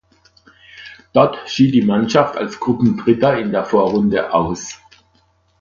Dort schied die Mannschaft als Gruppendritter in der Vorrunde aus.